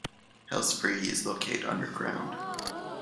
Helsfyr is located underground.